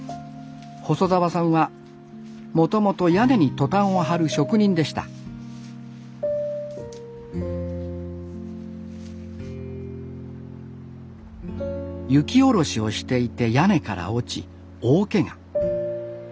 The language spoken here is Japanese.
細澤さんはもともと屋根にトタンを張る職人でした雪下ろしをしていて屋根から落ち大けが。